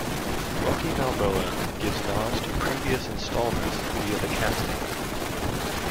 "Rocky Balboa" gives nods to previous installments via the casting.